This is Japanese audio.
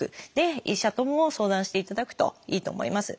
医者とも相談していただくといいと思います。